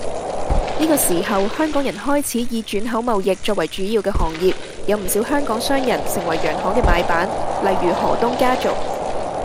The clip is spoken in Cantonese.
呢個時候香港人開始以轉口貿易作為主要嘅行業，有唔少香港商人成為洋行嘅買辦，例如何東家族